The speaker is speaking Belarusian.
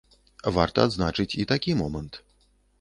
Варта адзначыць і такі момант.